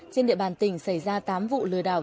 trên địa bàn tỉnh xảy ra tám vụ lừa đảo